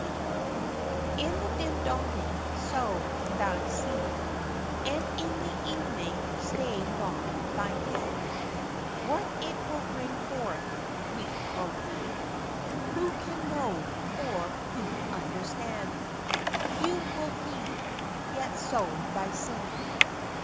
T N the dim dawning sow thy seed, And in the evening stay not thy hand, What it will bring forth —wheat or weed — Who can know, or who understand ? Few will heed, Yet sow thy seed.